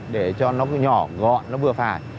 để cho nó nhỏ gọn nó vừa phải